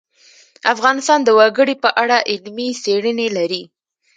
افغانستان د وګړي په اړه علمي څېړنې لري.